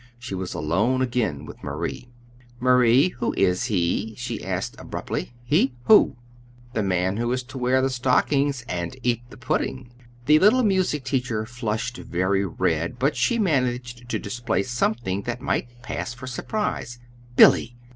She was alone again with Marie. "Marie, who is he?" she asked abruptly. "He? Who?" "The man who is to wear the stockings and eat the pudding." The little music teacher flushed very red, but she managed to display something that might pass for surprise. "BILLY!"